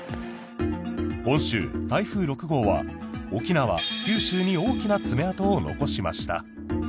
今週、台風６号は沖縄、九州に大きな爪痕を残しました。